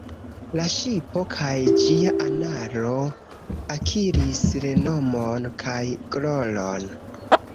La ŝipo kaj ĝia anaro akiris renomon kaj gloron.